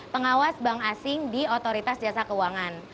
pengawas bank asing di otoritas jasa keuangan